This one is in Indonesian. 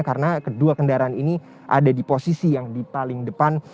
karena kedua kendaraan ini ada di posisi yang di paling depan